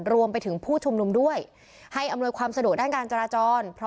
รวมถึงผู้ชุมนุมด้วยให้อำนวยความสะดวกด้านการจราจร